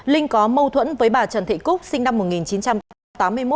linh có mâu thuẫn với bà trần thị cúc sinh năm một nghìn chín trăm tám mươi một